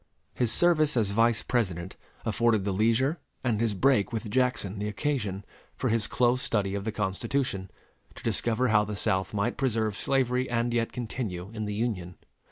His service as Vice President afforded the leisure and his break with Jackson the occasion, for his close study of the Constitution, to discover how the South might preserve slavery and yet continue in the Union.